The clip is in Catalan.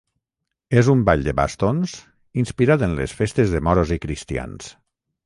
És un ball de bastons inspirat en les festes de Moros i Cristians.